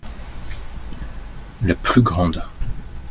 la plus grande.